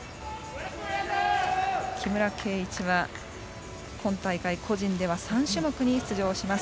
木村敬一は今大会個人では３種目に出場します。